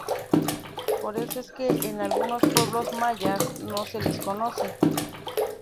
Por eso es que en algunos pueblos mayas no se le conoce.